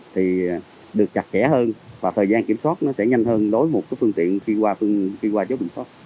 thì được chặt kẻ hơn và thời gian kiểm soát sẽ nhanh hơn đối với một phương tiện khi qua chốt kiểm soát